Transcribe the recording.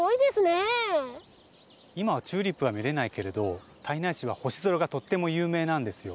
いまはチューリップはみれないけれど胎内市はほしぞらがとってもゆうめいなんですよ。